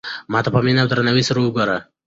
ما ته په مینه او درناوي سره وگوره.